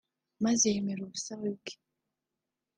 maze yemera ubusabe bwe